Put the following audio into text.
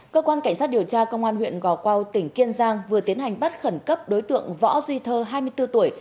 cơ quan cảnh sát điều tra công an huyện gò quao tỉnh kiên giang vừa tiến hành bắt khẩn cấp đối tượng võ duy thơ hai mươi bốn tuổi